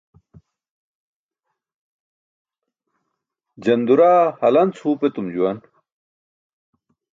Janduraa halanc huup etum juwan.